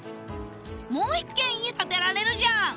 もう１軒家建てられるじゃん！